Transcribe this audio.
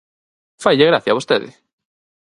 ¡Faille gracia a vostede!